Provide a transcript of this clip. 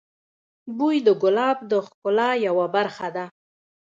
بوی د ګلاب د ښکلا یوه برخه ده.